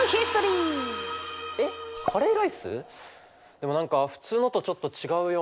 でも何か普通のとちょっと違うような。